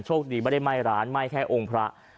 คดีไม่ได้ไหม้ร้านไหม้แค่องค์พระ